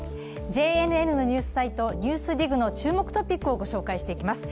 ＪＮＮのニュースサイト「ＮＥＷＳＤＩＧ」の注目トピックをご紹介していきます。